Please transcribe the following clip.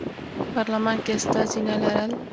پارلمان کې استازي نه لرل.